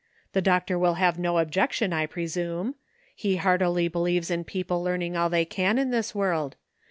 The doctor will have no objection, I presume. He heartily believes in people learning all they can in this world.